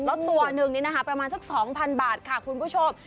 แล้วตัวหนึ่งนี่นะคะประมาณสัก๒๐๐๐บาทค่ะคุณผู้ชม